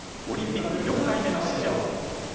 オリンピック４回目の出場。